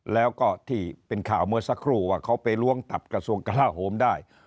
แล้วก็ที่เป็นข่าวเมื่อสักครู่ว่าเขาไปล้วงตับกระทรวงกลาโหมได้